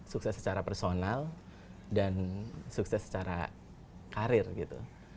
sukses secara personal dan sukses secara karir gitu